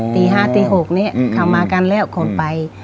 ตี๕ตี๖นี้เขามากันแล้วคนไป